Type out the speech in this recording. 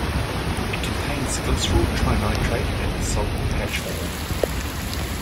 It contains glyceryl trinitrate and is sold in patch form.